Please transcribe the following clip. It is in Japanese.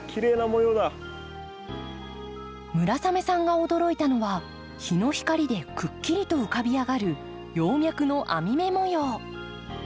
村雨さんが驚いたのは日の光でくっきりと浮かび上がる葉脈の網目模様。